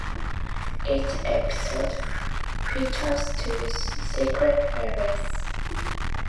Each episode features two secret levels.